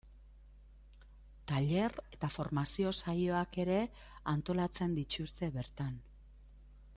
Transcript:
Tailer eta formazio saioak ere antolatzen dituzte bertan.